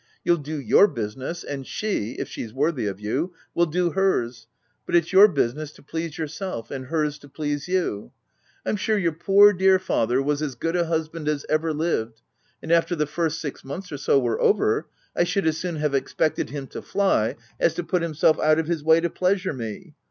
You'll do your business, and she, if she's worthy of you, will do hers ; but it's your business to please yourself, and hers to please you. I'm sure your poor, dear father was as OF WILDFELL HALL. Ill good a husband as ever lived, and after the first six months or so were over, I should as soon have expected him to fly, as to put himself out of his way to pleasure me.